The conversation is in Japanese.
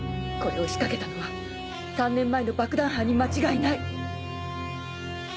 これを仕掛けたのは３年前の爆弾犯に間違いない！